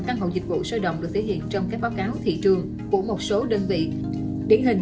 căn hộ dịch vụ sơ động được thể hiện trong các báo cáo thị trường của một số đơn vị điển hình